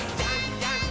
ジャンプ！！